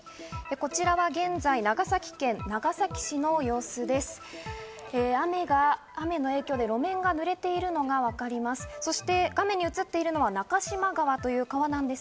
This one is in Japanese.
こちらは現在、長崎県長崎市の様子です。